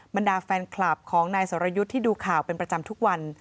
บรรดาแฟนคลับของนายสรยุทธ์ที่ดูข่าวเป็นประจำทุกวัน